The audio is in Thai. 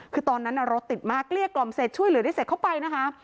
คือตอนนั้นรถติดมากเกลี้ยกล่อมเสร็จช่วยเหลือได้เสร็จเข้าไปนะคะ